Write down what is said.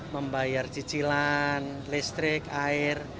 membayar cicilan listrik air